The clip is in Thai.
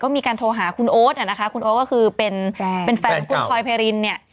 มีการโทรหาคุณโอ๊ตอ่ะนะคะคุณโอ๊ตก็คือเป็นแฟนของคุณพลอยไพรินเนี่ย